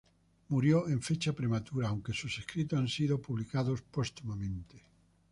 Murió en fecha prematura, aunque sus escritos han sido publicados póstumamente.